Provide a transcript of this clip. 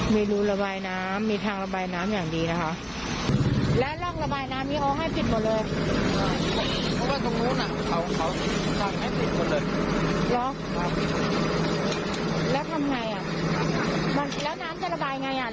มีรูระบายน้ำมีทางระบายน้ำอย่างดีนะคะ